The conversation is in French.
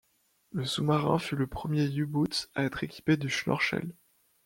Le sous-marin fut le premier U-Boot à être équipé du Schnorchel.